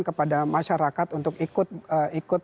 kepada masyarakat untuk ikut